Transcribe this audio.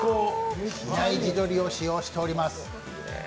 比内地鶏を使用しております。